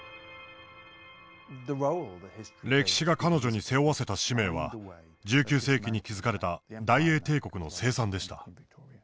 歴史が彼女に背負わせた使命は１９世紀に築かれた大英帝国の清算でした。